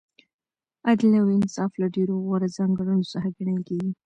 عدل او انصاف له ډېرو غوره ځانګړنو څخه ګڼل کیږي.